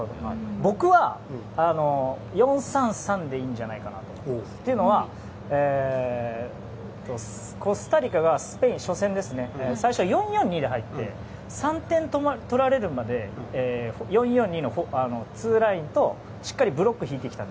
僕は、４−３−３でいいんじゃないかなと。というのはコスタリカが初戦スペインに最初、４−４−２で入って３点取られるまで４−４−２の２ラインとしっかりブロックを敷いてきた。